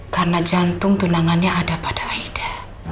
karena jantung tunangannya ada pada aida